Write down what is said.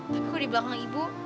tapi kok di belakang ibu